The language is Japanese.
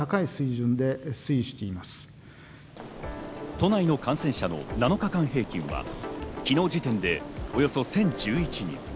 都内の感染者の７日間平均は昨日時点でおよそ１０１１人。